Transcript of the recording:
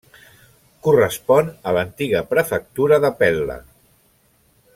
Correspon a l'antiga prefectura de Pel·la.